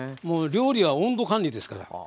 もう料理は温度管理ですから。